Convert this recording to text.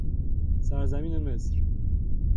سرزمین مصر